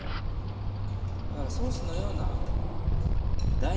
だからソースのような第２